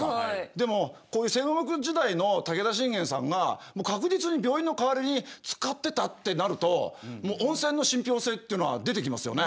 でもこういう戦国時代の武田信玄さんが確実に病院の代わりに使ってたってなるともう温泉の信ぴょう性っていうのは出てきますよね。